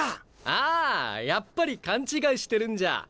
ああやっぱり勘違いしてるんじゃ。